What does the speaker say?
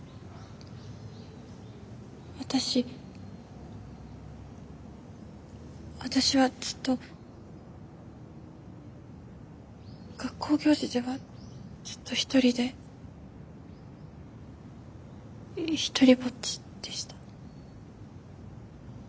私私はずっと学校行事ではずっとひとりでひとりぼっちでした。